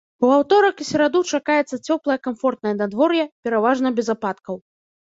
У аўторак і сераду чакаецца цёплае камфортнае надвор'е, пераважна без ападкаў.